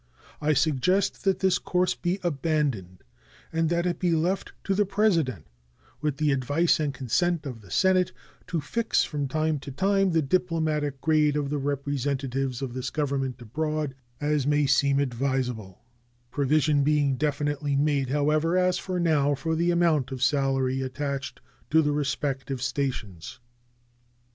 I suggest that this course be abandoned and that it be left to the President, with the advice and consent of the Senate, to fix from time to time the diplomatic grade of the representatives of this Government abroad as may seem advisable, provision being definitely made, however, as now, for the amount of salary attached to the respective stations.